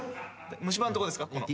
虫歯のとこですかこの。